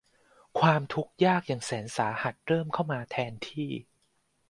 ความทุกข์ยากอย่างแสนสาหัสเริ่มเข้ามาแทนที่